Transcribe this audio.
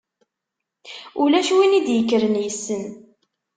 Ulac win i d-yekkren yessen.